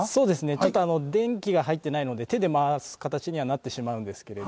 ちょっと電気が入ってないので手で回す形にはなってしまうんですけれども。